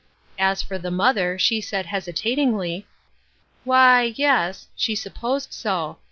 As for the mother, she said, hesitatingly :" Why, yes," she supposed so.